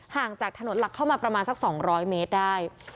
ห่างจากถนนหลักเข้ามาประมาณสัก๒๐๐เมตรได้